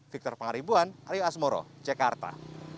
victor pangaribuan aryo asmoro jakarta